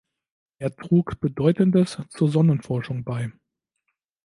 Er trug bedeutendes zur Sonnenforschung bei.